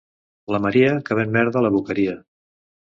La Maria, que ven merda a la Boqueria.